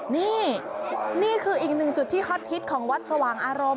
นี่นี่คืออีกหนึ่งจุดที่ฮอตฮิตของวัดสว่างอารมณ์